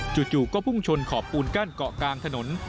จู่ก็พุ่งชนขอบปูนกั้นเกาะกลางถนน